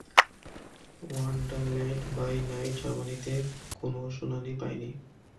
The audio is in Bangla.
ওয়ান্ডারল্যান্ড বাই নাইট জার্মানিতে কোন শুনানি পায়নি।